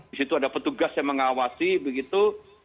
di situ ada petugas yang mengawasi begitu